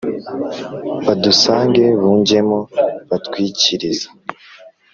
Badusange bungemo batwikiriza